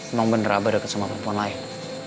emang bener raba deket sama perempuan lain